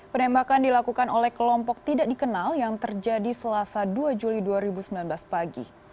penembakan dilakukan oleh kelompok tidak dikenal yang terjadi selasa dua juli dua ribu sembilan belas pagi